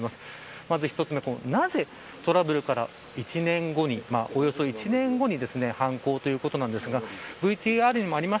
まず１つ目なぜトラブルからおよそ１年後に犯行ということなんですがＶＴＲにも、あります